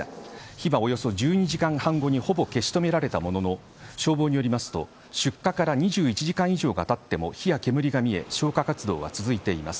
火はおよそ１２時間半後にほぼ消し止められたものの消防によりますと出火から２１時間以上がたっても火や煙が見え消火活動は続いています。